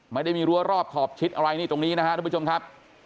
ไม่ได้มีรั้วรอบขอบชิดอะไรนี่ตรงนี้นะครับทุกผู้ชมครับ